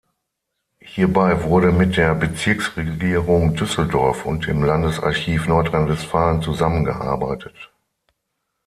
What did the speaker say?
Hierbei wurde mit der Bezirksregierung Düsseldorf und dem Landesarchiv Nordrhein-Westfalen zusammengearbeitet.